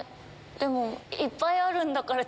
でもいっぱいあるんだから。